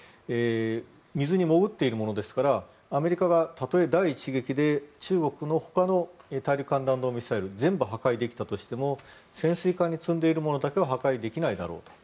水に潜っているものですからアメリカがたとえ第１撃で中国のほかの大陸間弾道ミサイル全部を破壊できたとしても潜水艦に積んでいるものだけは破壊できないだろうと。